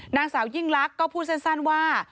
นางสาวยิ่งลักษณ์ก็พูดสั้นว่า